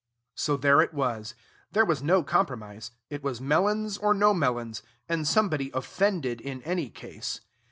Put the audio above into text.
So there it was. There was no compromise: it was melons, or no melons, and somebody offended in any case.